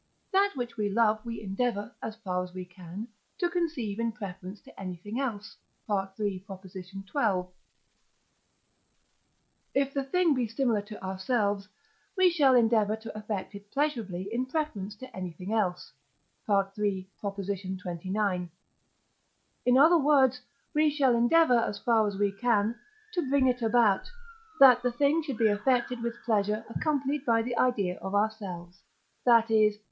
That which we love we endeavour, as far as we can, to conceive in preference to anything else (III. xii.). If the thing be similar to ourselves, we shall endeavour to affect it pleasurably in preference to anything else (III. xxix.). In other words, we shall endeavour, as far as we can, to bring it about, that the thing should be affected with pleasure accompanied by the idea of ourselves, that is (III.